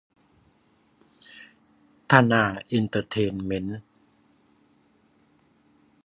ธนาเอนเตอร์เทนเม้นท์